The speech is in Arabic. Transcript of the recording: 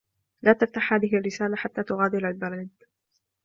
لا تفتح هذه الرّسالة حتّى تغادر البلد.